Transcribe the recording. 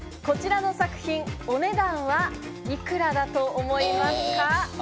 こちらの作品、お値段は幾らだと思いますか？